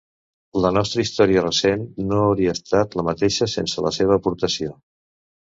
La nostra història recent no hauria estat la mateixa sense la seva aportació.